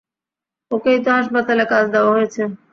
ওকেই তো হাসপাতালে কাজ দেওয়া হয়েছে?